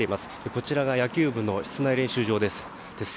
こちらが野球部の室内練習場です。